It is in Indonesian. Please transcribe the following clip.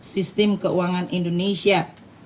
sistem keuangan indonesia